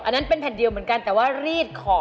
อันนั้นเป็นแผ่นเดียวเหมือนกันแต่ว่ารีดขอ